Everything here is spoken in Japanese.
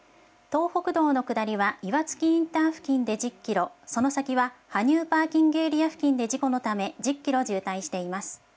東北道の下りは岩槻インター付近で１０キロ、その先は羽生パーキングエリア付近で事故のため、１０キロ渋滞しています。